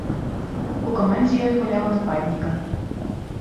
У камандзе ён гуляў нападнікам.